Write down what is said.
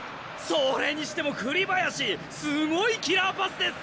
それにしても栗林すごいキラーパスです！